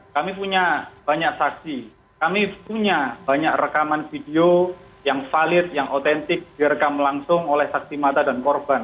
kami punya banyak saksi kami punya banyak rekaman video yang valid yang otentik direkam langsung oleh saksi mata dan korban